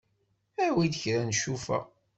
Awi-d kra n ccufa.